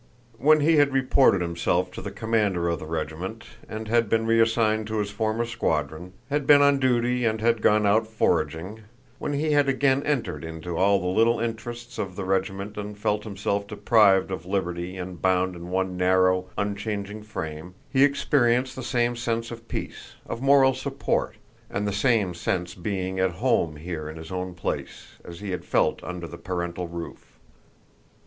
When he had reported himself to the commander of the regiment and had been reassigned to his former squadron, had been on duty and had gone out foraging, when he had again entered into all the little interests of the regiment and felt himself deprived of liberty and bound in one narrow, unchanging frame, he experienced the same sense of peace, of moral support, and the same sense of being at home here in his own place, as he had felt under the parental roof.